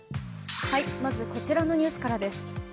こちらのニュースからです。